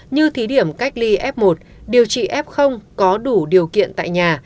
như thí điểm cách ly f một điều trị f có đủ điều kiện tại nhà